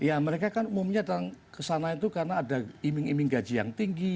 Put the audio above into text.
ya mereka kan umumnya kesana itu karena ada iming iming gaji yang tinggi